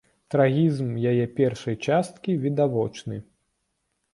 Трагізм яе першай часткі відавочны.